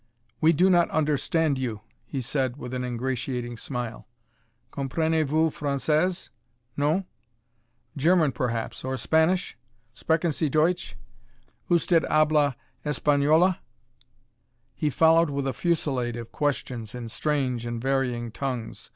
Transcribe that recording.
"We do not understand you," he said with an ingratiating smile. "Comprenez vous Francaise?... Non?"... German, perhaps, or Spanish?... "Sprecken sie Deutsche? Usted habla Española?..." He followed with a fusillade of questions in strange and varying tongues.